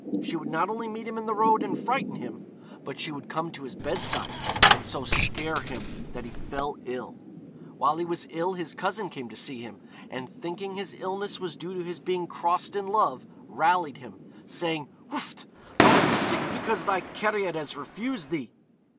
She would not only meet him in the road, and frighten him, but she would come to his bedside, and so scare him that he fell ill. While he was ill his cousin came to see him, and thinking his illness was due to his being crossed in love, rallied him, saying, 'Wfft! thou'rt sick because thy cariad has refused thee.'